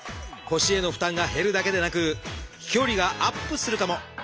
腰への負担が減るだけでなく飛距離がアップするかも！